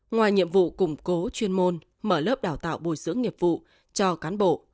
ngoài nhiệm vụ củng cố chuyên môn mở lớp đào tạo bồi dưỡng nghiệp vụ cho cán bộ